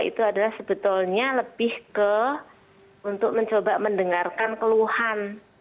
itu adalah sebetulnya lebih ke untuk mencoba mendengarkan keluhan